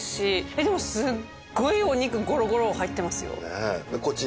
えっでもすごいお肉ゴロゴロ入ってますよ。